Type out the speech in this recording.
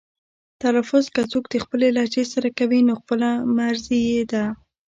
تلفظ که څوک د خپلې لهجې سره کوي نو خپله مرزي یې ده.